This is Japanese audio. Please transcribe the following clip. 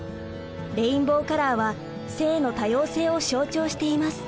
レインボーカラーは性の多様性を象徴しています。